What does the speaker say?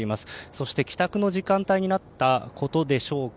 そして、帰宅の時間帯になったことでしょうか。